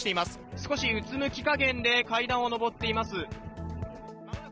少しうつむきかげんで階段を上っています。